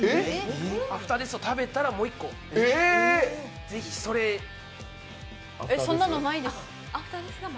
アフターＤＥＡＴＨを食べたら、もう１個、ぜひそれえ、そんなのないです。